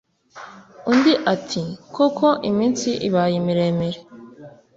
Undi ati « koko iminsi ibaye miremire.